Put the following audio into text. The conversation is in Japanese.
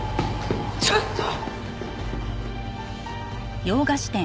ちょっと！